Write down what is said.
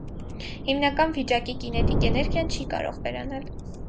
Հիմնական վիճակի կինետիկ էներգիան չի կարող վերանալ։